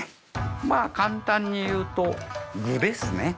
まあ簡単に言うと具ですね。